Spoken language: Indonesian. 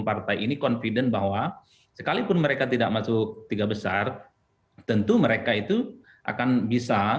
partai ini confident bahwa sekalipun mereka tidak masuk tiga besar tentu mereka itu akan bisa